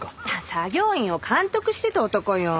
作業員を監督してた男よ。